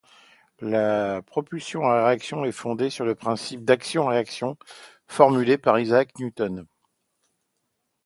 La propulsion à réaction est fondée sur le principe d'action-réaction formulé par Isaac Newton.